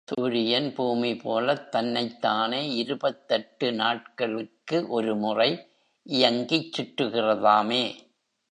சூரியன் பூமிபோலத் தன்னைத்தானே இருபத்தெட்டு நாட்களுக்கு ஒருமுறை இயங்கிச் சுற்றுகிறதாமே!